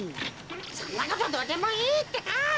そんなことどうでもいいってか！